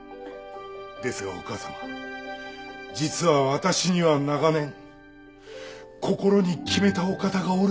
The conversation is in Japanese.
ですがお母様実は私には長年心に決めたお方がおるのでございます。